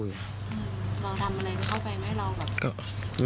เราทำอะไรเข้าไปไหมเราแบบ